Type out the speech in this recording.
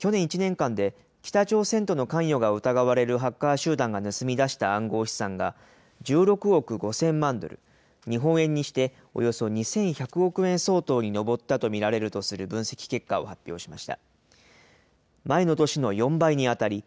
アメリカの暗号資産の分析会社、チェイナリシスは、去年１年間で北朝鮮との関与が疑われるハッカー集団が盗み出した暗号資産が１６億５０００万ドル、日本円にしておよそ２１００億円相当に上ったと見られるとする分析結果を発表しました。